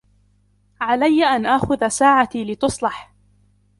عليّ أن آخذ ساعتي لِتُصْلح.